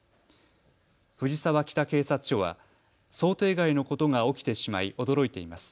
藤沢北警察署は想定外のことが起きてしまい驚いています。